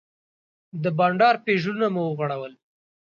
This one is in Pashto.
د بانډار پیژلونه مو وغوړول.